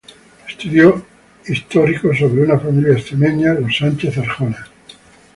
Estudio histórico sobre una familia extremeña, los Sánchez Arjona.